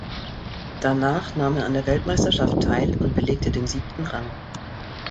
Danach nahm er an der Weltmeisterschaft teil und belegte den siebten Rang.